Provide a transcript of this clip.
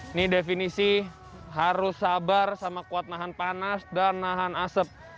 ini definisi harus sabar sama kuat nahan panas dan nahan asap